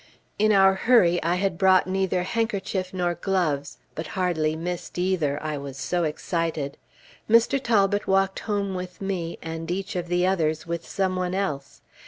In our hurry, I had brought neither handkerchief nor gloves, but hardly missed either, I was so excited. Mr. Talbot walked home with me, and each of the others with some one else.